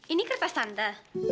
ini kertas tante